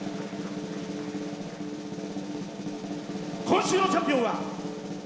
今週のチャンピオンは。